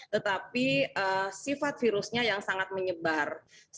tetapi sifat virusnya yang sangat menyebar